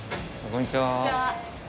こんにちは。